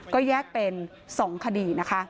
ก็แยกเป็น๒คดีนะคะ